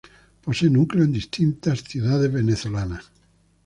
Posee núcleos en distintas ciudades venezolanas.